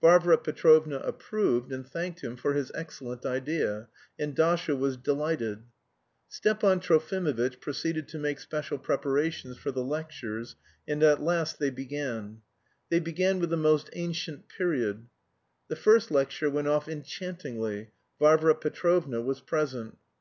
Varvara Petrovna approved, and thanked him for his excellent idea, and Dasha was delighted. Stepan Trofimovitch proceeded to make special preparations for the lectures, and at last they began. They began with the most ancient period. The first lecture went off enchantingly. Varvara Petrovna was present.